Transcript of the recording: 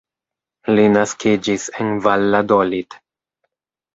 Li naskiĝis en Valladolid.